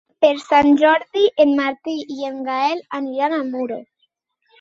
Per Sant Jordi en Martí i en Gaël aniran a Muro.